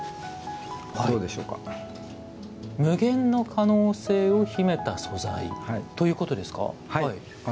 「無限の可能性を秘めた素材」ということですか。